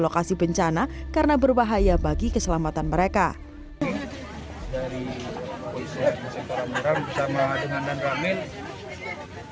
lokasi bencana karena berbahaya bagi keselamatan mereka dari polisi bersama dengan dan ramein